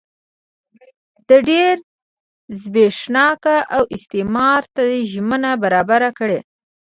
د ډېر زبېښاک او استثمار ته زمینه برابره کړي.